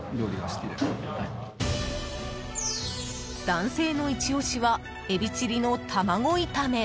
男性のイチ押しはエビチリの玉子炒め。